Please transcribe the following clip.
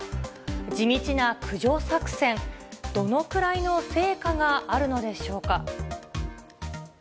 地道な駆除作戦、どのくらいの成果があるのでしょうか。